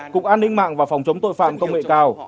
cục an ninh mạng và phòng chống tội phạm công nghệ cao